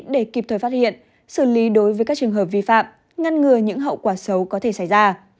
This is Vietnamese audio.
để kịp thời phát hiện xử lý đối với các trường hợp vi phạm ngăn ngừa những hậu quả xấu có thể xảy ra